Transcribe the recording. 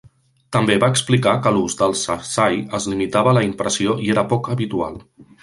També va explicar que l'ús del shazai es limitava a la impressió i era poc habitual.